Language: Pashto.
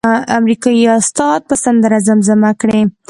امریکایي استاد به سندره زمزمه کړي.